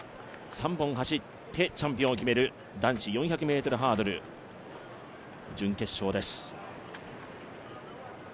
３本走ってチャンピオンを決める男子４００ｍハードル準決勝です。